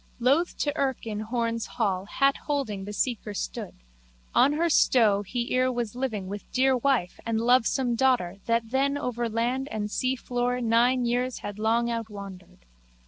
Loth to irk in Horne's hall hat holding the seeker stood. On her stow he ere was living with dear wife and lovesome daughter that then over land and seafloor nine years had long outwandered.